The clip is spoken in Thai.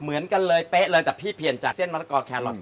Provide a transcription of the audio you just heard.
เหมือนกันเลยเป๊ะเลยแต่พี่เปลี่ยนจากเส้นมะละกอแครอท